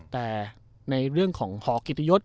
แต่ในเรื่องของหอกิตยศ